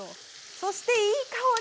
そしていい香り。